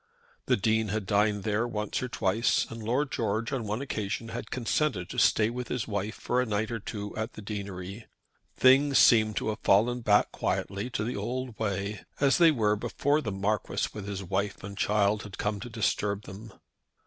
The Dean had dined there once or twice, and Lord George on one occasion had consented to stay with his wife for a night or two at the deanery. Things seemed to have fallen back quietly into the old way, as they were before the Marquis with his wife and child had come to disturb them.